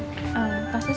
gak apa apa sus